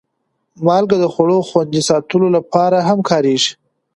مالګه د خوړو خوندي ساتلو لپاره هم کارېږي.